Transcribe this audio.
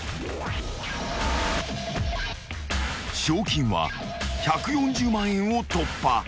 ［賞金は１４０万円を突破。